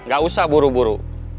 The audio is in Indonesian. gak usah buru buru